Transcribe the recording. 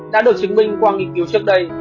đã được chứng minh qua nghiên cứu trước đây